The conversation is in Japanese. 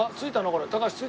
これ。